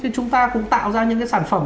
chúng ta cũng tạo ra những cái sản phẩm